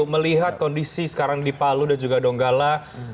melihat kondisi sekarang di palu dan juga donggala